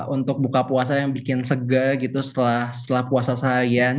untuk buka puasa yang bikin sege gitu setelah puasa seharian